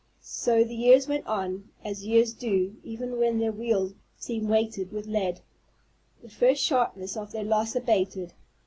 So the years went on, as years do even when their wheels seem weighted with lead. The first sharpness of their loss abated.